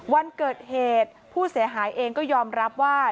วันเกิดเหตุผู้เสียหายเองก็ยอมรับว่า